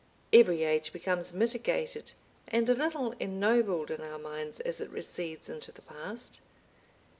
Every age becomes mitigated and a little ennobled in our minds as it recedes into the past.